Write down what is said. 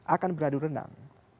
akan beradu renang